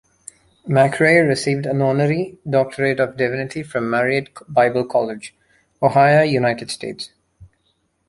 McCrea received an Honorary Doctorate of Divinity from Mariette Bible College, Ohio, United States.